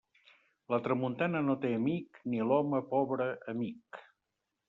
La tramuntana no té amic, ni l'home pobre amic.